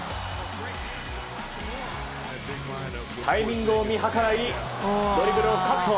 タイミングを見計らいドリブルをカット。